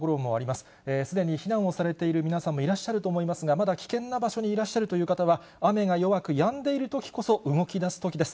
すでに避難をされている皆さんもいらっしゃると思いますが、まだ危険な場所にいらっしゃるという方は、雨が弱く、やんでいるときこそ、動きだすときです。